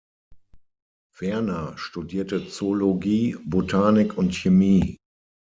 Werner studierte Zoologie, Botanik und Chemie.